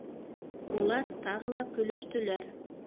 Улар тағы ла көлөштөләр.